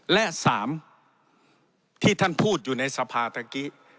และ๓ที่ท่านพูดอยู่ในสภาตะกี้